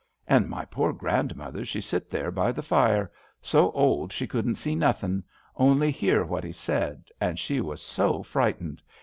And my poor grandmother she sit there by the fire, so old she couldn't see nothing, only hear what he said, and she was so frightened.